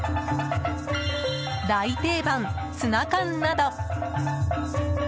大定番、ツナ缶など。